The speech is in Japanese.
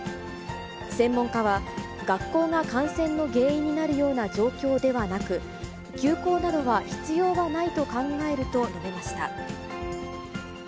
専門家は、学校が感染の原因になるような状況ではなく、休校などは必要はないと考えると述べました。